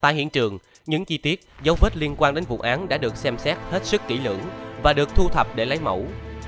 tại hiện trường những chi tiết dấu vết liên quan đến vụ án đã được xem xét hết sức kỹ lưỡng và được thu thập để lấy mẫu